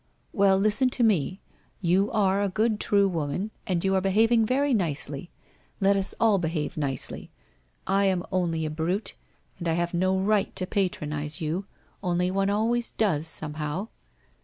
Well listen to me, you are a good true woman, and you are behaving very nicely. Let us all behave nicely. I am only a brute, and I have no right to patronize you, only one always does, somehow?